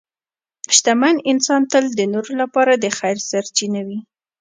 شتمن انسان تل د نورو لپاره د خیر سرچینه وي.